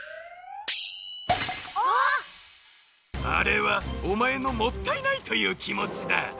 あれはおまえの「もったいない」というきもちだ。